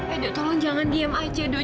eh dok tolong jangan diam aja doa